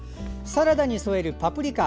サラダに添えるパプリカ。